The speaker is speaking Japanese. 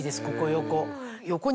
ここ横。